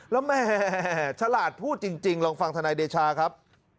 แล้วแม่ฉลาดพูดจริงลองฟังธนายเดชาครับ